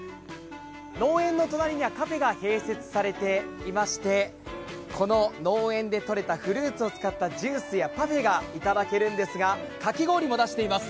農園の隣にはカフェが併設されていましてこの農園で採れたフルーツを使ったジュースやパフェがいただけるんですが、かき氷も出しています。